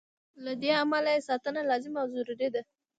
له دې امله یې ساتنه لازمه او ضروري ده.